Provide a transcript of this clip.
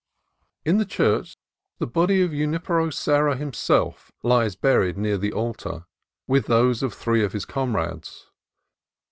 In the church the body of Junipero Serra himself lies buried near the altar, with those of three of his comrades.